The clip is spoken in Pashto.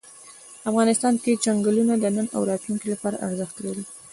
افغانستان کې چنګلونه د نن او راتلونکي لپاره ارزښت لري.